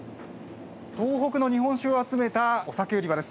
東北の日本酒を集めたお酒売り場です。